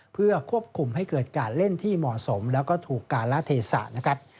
เพื่อควบคุมให้เกิดการเล่นที่เหมาะสมแล้วก็ถูกการละเทศะนะครับ